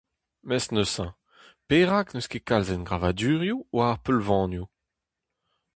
Mes neuze, perak n'eus ket kalz engravadurioù war ar peulvanoù ?